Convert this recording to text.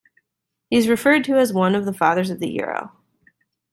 He is referred to as one of the fathers of the Euro.